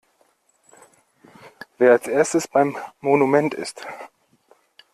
Wer als erstes beim Monument ist!